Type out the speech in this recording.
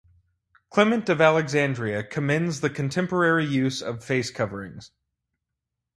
Clement of Alexandria commends the contemporary use of face coverings.